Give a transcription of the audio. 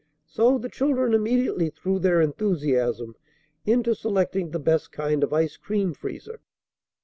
So the children immediately threw their enthusiasm into selecting the best kind of ice cream freezer.